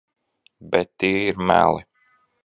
Bet tie ir meli.